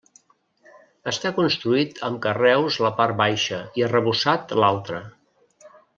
Està construït amb carreus la part baixa i arrebossat l'altra.